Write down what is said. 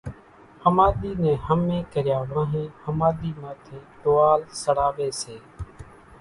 ۿماۮِي نين ۿمي ڪريا وانھين ۿماۮي ماٿي ٽوئان سڙاوي سي